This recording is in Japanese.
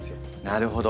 なるほど。